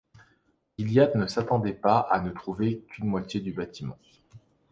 Gilliatt ne s’attendait pas à ne trouver qu’une moitié du bâtiment.